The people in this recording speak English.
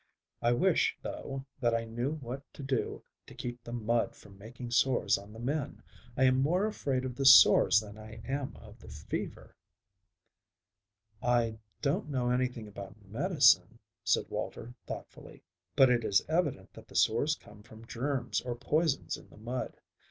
I wish, though, that I knew what to do to keep the mud from making sores on the men. I am more afraid of the sores than I am of the fever." "I don't know anything about medicine," said Walter thoughtfully, "but it is evident that the sores come from germs or poisons in the mud.